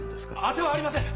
当てはありません。